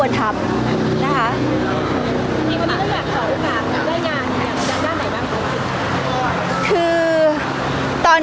พี่ตอบได้แค่นี้จริงค่ะ